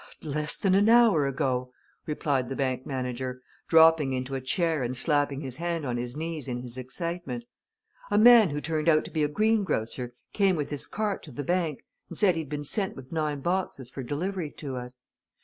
"Less than an hour ago," replied the bank manager, dropping into a chair and slapping his hand on his knees in his excitement, "a man who turned out to be a greengrocer came with his cart to the bank and said he'd been sent with nine boxes for delivery to us.